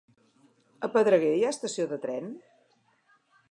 A Pedreguer hi ha estació de tren?